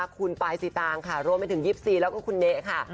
คุณปายสิตางค่ะรวมไปถึง๒๔แล้วก็คุณเละค่ะ